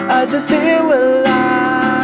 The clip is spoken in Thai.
อาจจะเสียเวลา